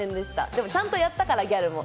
でも、ちゃんとやったからギャルも。